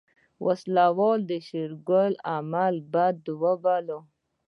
وسله وال د شېرګل عمل بد وباله.